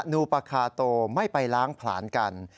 นูปากคาโตไม่ไปล้างผลาญกัน